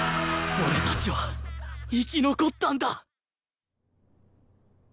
俺たちは生き残ったんだ！